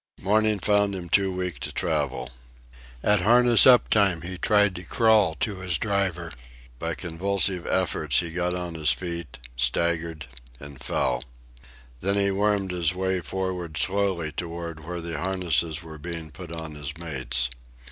Morning found him too weak to travel. At harness up time he tried to crawl to his driver. By convulsive efforts he got on his feet, staggered, and fell. Then he wormed his way forward slowly toward where the harnesses were being put on his mates.